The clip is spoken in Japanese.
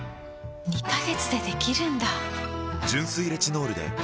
２カ月でできるんだ！